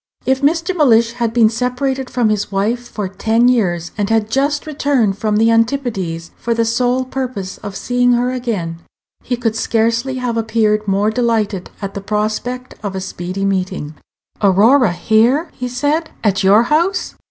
If Mr. Mellish had been separated from his wife for ten years, and had just returned from the Antipodes for the sole purpose of seeing her again, he could scarcely have appeared more delighted at the prospect of a speedy meeting. "Aurora here!" he said; "at your house?